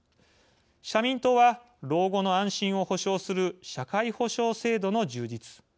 「社民党」は老後の安心を保障する社会保障制度の充実。